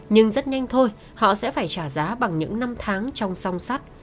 nhưng rất nhanh thôi họ sẽ phải trả giá bằng những năm tháng trong song sắt